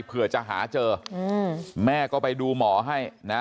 เผื่อจะหาเจออืมแม่ก็ไปดูหมอให้นะ